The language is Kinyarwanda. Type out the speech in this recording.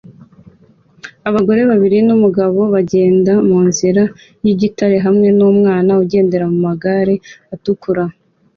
Abagore babiri numugabo bagenda munzira yigitare hamwe numwana ugendera mumagare atukura